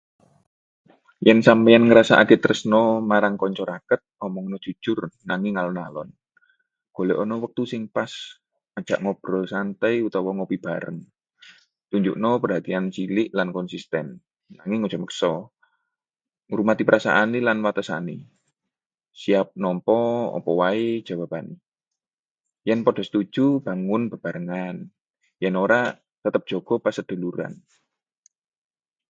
Yen sampeyan ngrasakake tresna marang kanca raket, omongna jujur nanging alon-alon. Golekana wektu sing pas, ajak ngobrol santai utawa ngopi bareng. Tunjukna perhatian cilik lan konsistèn, nanging ojo maksa. Ngurmati perasaane lan watesane, siap nampa apa waé jawabané. Yen padha setuju, bangun bebarengan; yen ora, tetep jaga paseduluran.